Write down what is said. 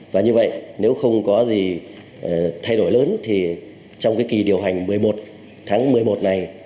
và như vậy nếu không có gì thay đổi lớn thì trong cái kỳ điều hành một mươi một tháng một mươi một này